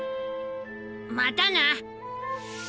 またな！